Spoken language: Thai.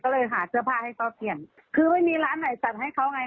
ก็เลยหาเสื้อผ้าให้เขาเปลี่ยนคือไม่มีร้านไหนสั่งให้เขาไง